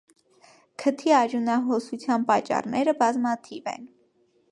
Քիթի արիւնահոսութեան պատճառները բազմաթիւ են։